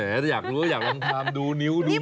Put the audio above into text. อยากรู้อยากลองทำดูนิ้วดู